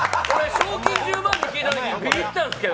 賞金１０万と聞いたときビビったんですよ。